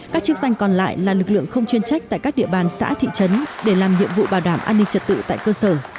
các chức danh còn lại là lực lượng không chuyên trách tại các địa bàn xã thị trấn để làm nhiệm vụ bảo đảm an ninh trật tự tại cơ sở